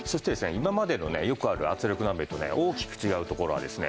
今までのねよくある圧力鍋とね大きく違うところはですね